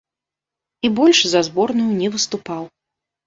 І больш за зборную не выступаў.